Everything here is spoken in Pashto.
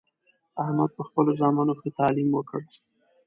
احمد په خپلو زامنو ښه تعلیم وکړ